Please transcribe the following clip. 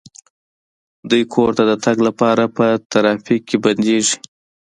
دوی کور ته د تګ لپاره په ترافیک کې بندیږي